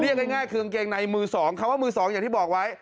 ง่ายคือกางเกงในมือสองคำว่ามือสองอย่างที่บอกไว้